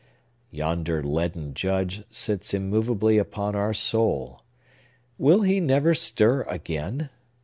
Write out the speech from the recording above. Yonder leaden Judge sits immovably upon our soul. Will he never stir again?